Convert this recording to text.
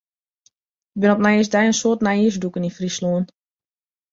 Der binne op nijjiersdei in soad nijjiersdûken yn Fryslân.